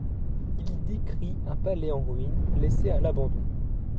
Il y décrit un palais en ruine, laissé à l'abandon.